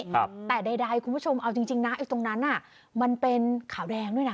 ครับแต่ใดใดคุณผู้ชมเอาจริงจริงนะไอ้ตรงนั้นน่ะมันเป็นขาวแดงด้วยนะ